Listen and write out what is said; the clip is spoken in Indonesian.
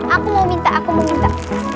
aku mau minta aku mau minta